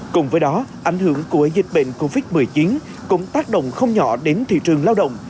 cùng với đó ảnh hưởng của dịch bệnh covid một mươi chín cũng tác động không nhỏ đến thị trường lao động